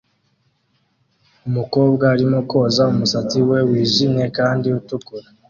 Umukobwa arimo koza umusatsi we wijimye kandi utukura